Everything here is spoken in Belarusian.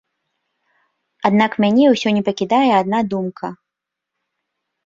Аднак мяне ўсё не пакідае адна думка.